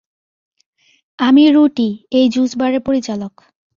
আমি রুটি, এই জুস বারের পরিচালক।